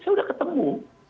saya sudah ketemu